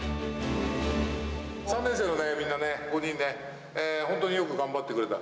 ３年生のみんなね、５人ね、本当によく頑張ってくれた。